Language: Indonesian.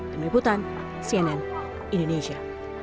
kemiputan cnn indonesia